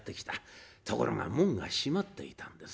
ところが門が閉まっていたんです。